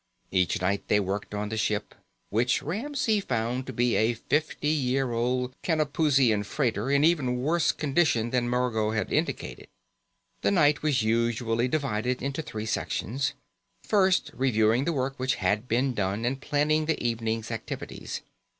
Each night they worked on the ship, which Ramsey found to be a fifty year old Canopusian freighter in even worse condition than Margot had indicated. The night was usually divided into three sections. First, reviewing the work which had been done and planning the evening's activities.